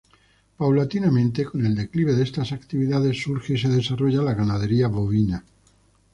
Paulatinamente, con el declive de estas actividades, surge y se desarrolla la ganadería bovina.